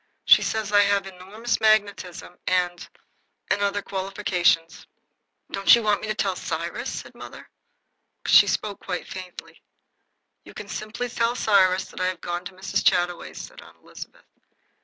She says I have enormous magnetism and and other qualifications." "Don't you want me to tell Cyrus?" said mother. She spoke quite faintly. "You can simply tell Cyrus that I have gone to Mrs. Chataway's," said Aunt Elizabeth.